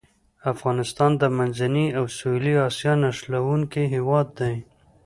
افغانستان د منځنۍ او سویلي اسیا نښلوونکی هېواد دی.